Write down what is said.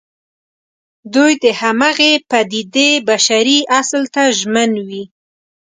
دوی د همغې پدېدې بشري اصل ته ژمن وي.